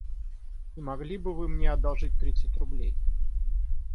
Не могли ли бы вы мне одолжить тридцать рублей?